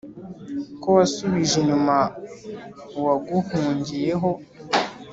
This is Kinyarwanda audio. ko wasubije inyuma uwaguh ungiye ho